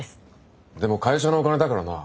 でも会社のお金だからな。